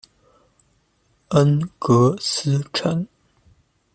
恩格斯城。